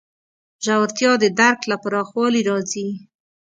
ژورتیا د درک له پراخوالي راځي.